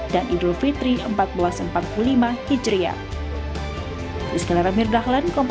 dan idul fitri seribu empat ratus empat puluh lima hijriyah